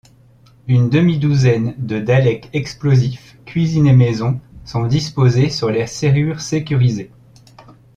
Une demi-douzaine de Daleks explosifs cuisinés maison sont disposés sur les serrures sécurisées.